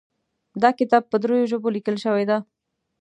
دا کتاب په دریو ژبو لیکل شوی ده